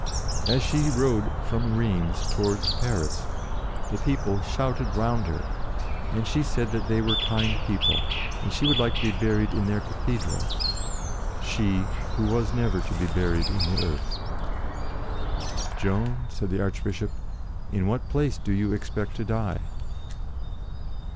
As she rode from Rheims towards Paris, the people shouted round her, and she said that they were kind people, and she would like to be buried in their cathedral she, who was never to be buried in the earth. "Joan," said the Archbishop, "in what place do you expect to die?"